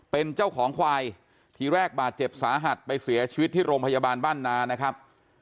เป็นเจ้าของควายทีแรกบาดเจ็บสาหัสไปเสียชีวิตที่โรงพยาบาลบ้านนานะครับ